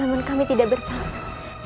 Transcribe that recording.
namun kami tidak berpaksa